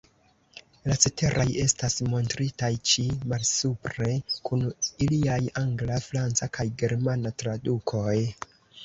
La ceteraj estas montritaj ĉi malsupre, kun iliaj Angla, Franca kaj Germana tradukoj.